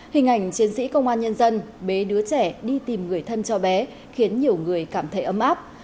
hình ảnh chiến sĩ công an nhân dân bế đứa trẻ đi tìm người thân cho bé khiến nhiều người cảm thấy ấm áp